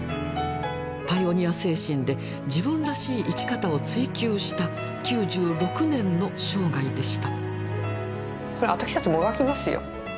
パイオニア精神で自分らしい生き方を追求した９６年の生涯でした。